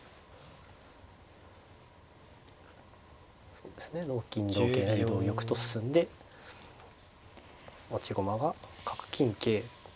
そうですね同金同桂成同玉と進んで持ち駒が角金桂となったところで